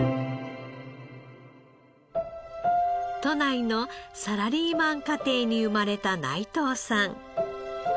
都内のサラリーマン家庭に生まれた内藤さん。